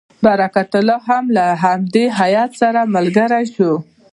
برکت الله هم له دې هیات سره ملګری شو.